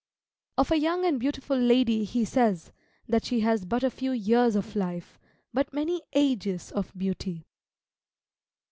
Of a young and beautiful lady he says, that she has but a few years of life, but many ages of beauty.